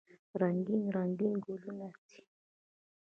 رنګین، رنګین ګلونه سي